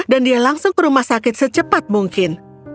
dan dia langsung ke rumah sakit secepat mungkin